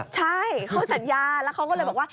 ใช่เขาสัญญาแล้วเขาก็เลยบอกว่า